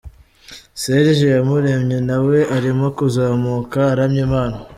Serge Iyamuremye na we arimo kuzamuka aramya Imana.